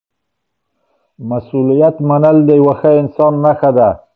مسؤلیت منل د یو ښه انسان نښه ده.